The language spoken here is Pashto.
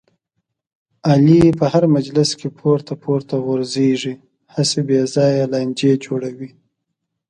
علي په هر مجلس کې پورته پورته غورځېږي، هسې بې ځایه لانجې جوړوي.